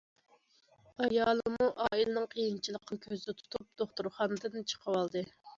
ئايالىمۇ ئائىلىنىڭ قىيىنچىلىقىنى كۆزدە تۇتۇپ، دوختۇرخانىدىن چىقىۋالدى.